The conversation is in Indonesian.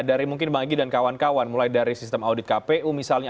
dari mungkin bang egy dan kawan kawan mulai dari sistem audit kpu misalnya